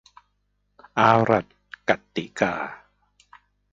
อาหรัดกัดติกา